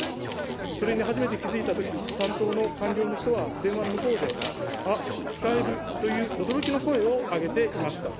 それに初めて気付いたとき、担当の官僚の人は電話の向こうで、あっ、使えるという驚きの声を上げていました。